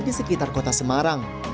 di sekitar kota semarang